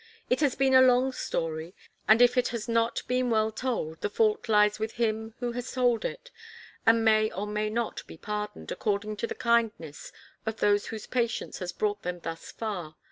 It has been a long story, and if it has not been well told, the fault lies with him who has told it, and may or may not be pardoned, according to the kindness of those whose patience has brought them thus far.